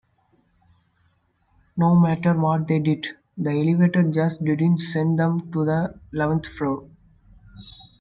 No matter what they did, the elevator just didn't send them to the eleventh floor.